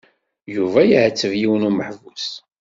Yuba iɛetteb yiwen n umeḥbus.